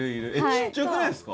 ちっちゃくないっすか？